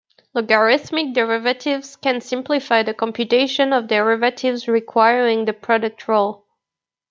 Logarithmic derivatives can simplify the computation of derivatives requiring the product rule.